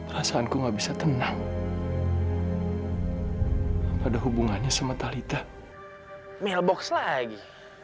rasaanku nggak bisa tenang pada hubungannya sama tali tep mailbox lagi